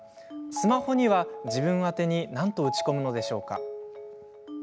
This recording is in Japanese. スマホには自分宛になんと打ち込むのでしょうか。